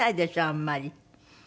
あんまり。